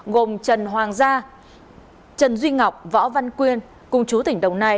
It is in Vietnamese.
gồm trần hoàng gia trần duy ngọc võ văn quyên cùng chú tỉnh đồng nai